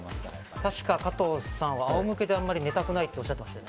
確か加藤さんはあおむけであんまり寝たくないとおっしゃってましたね。